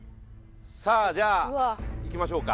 さあじゃあいきましょうか。